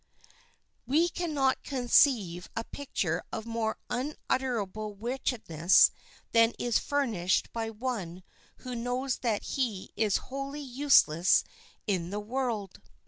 We can not conceive of a picture of more unutterable wretchedness than is furnished by one who knows that he is wholly useless in the world.